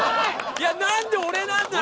いや何で俺なんだよ。